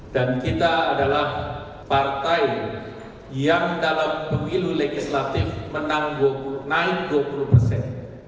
dan kita adalah partai yang dalam pemilu legislatif menang dua puluh persen